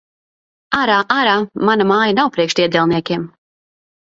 Ārā! Ārā! Mana māja nav priekš diedelniekiem!